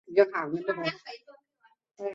神崎郡是位于日本兵库县中部的郡。